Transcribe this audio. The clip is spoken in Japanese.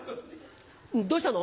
どうしたの？